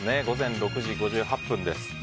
午前６時５８分です。